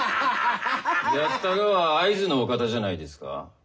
やったがは会津のお方じゃないですか？